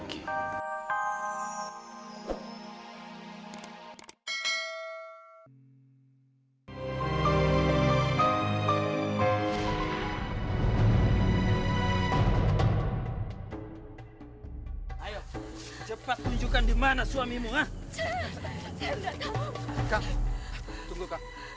kak tunggu kak